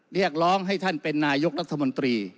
เรียกร้องให้ท่านเป็นนายกรัฐมนตรี